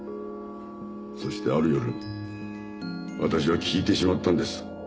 そしてある夜私は聞いてしまったんです。